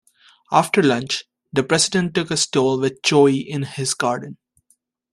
After lunch, the president took a stroll with Choi in his garden.